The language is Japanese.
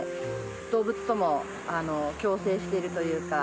動物とも共生してるというか。